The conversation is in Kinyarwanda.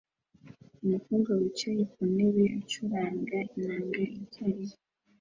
Umukobwa wicaye ku ntebe acuranga inanga icyarimwe